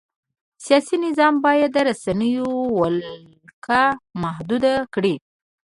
سیاسي نظام باید د رسنیو ولکه محدوده کړي.